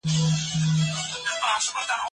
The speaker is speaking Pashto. ريښتنې سياسي پوهه تر درواغجني غولوني اغېزناکه ده.